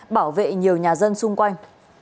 bảo vệ nhiều nhà dân xung quanh